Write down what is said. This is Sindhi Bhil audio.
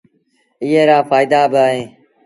ايئي رآ ڦآئيدآ با اهيݩ